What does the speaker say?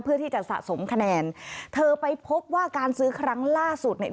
เพื่อที่จะสะสมคะแนนเธอไปพบว่าการซื้อครั้งล่าสุดเนี่ย